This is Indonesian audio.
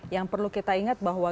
yang perlu kita ingat bahwa